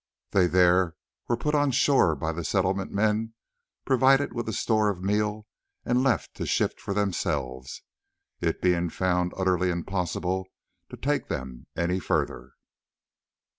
They there were put on shore by the Settlement men, provided with a store of meal, and left to shift for themselves, it being found utterly impossible to take them any further.